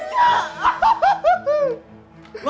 nggak kenapa kenapa nek aku tau